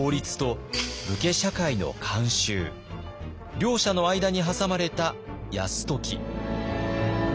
両者の間に挟まれた泰時。